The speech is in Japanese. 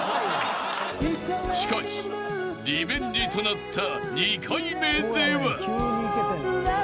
［しかしリベンジとなった２回目では］